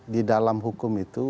di dalam hukum itu